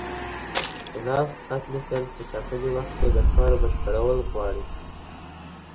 په لاس خط لیکل په ټاکلي وخت کي د کار بشپړول غواړي.